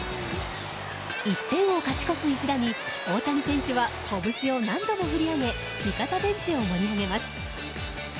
１点を勝ち越す一打に大谷選手は拳を何度も振り上げ味方ベンチを盛り上げます。